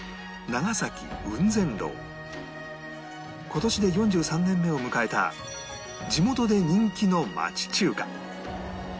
今年で４３年目を迎えた地元で人気の町中華